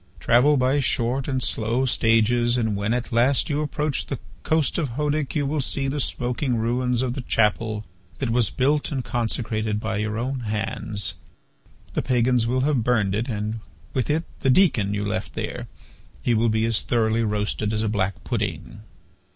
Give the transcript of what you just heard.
Travel by short and slow stages and when at last you approach the coast of Hœdic you will see the smoking ruins of the chapel that was built and consecrated by your own hands. The pagans will have burned it and with it the deacon you left there. He will be as thoroughly roasted as a black pudding."